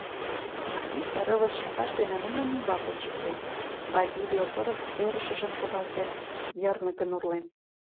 Алиса рывыж чапаже дене нунын ӱмбак ончыктен, Базилио пырыс ӧрышыжым шогалтен, йырныкын урлен.